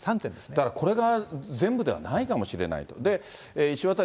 だからこれが全部ではないかもしれない。